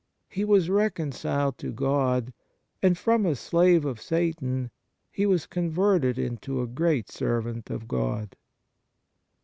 He was reconciled to God, and from a slave of Satan he was converted into a great servant of God.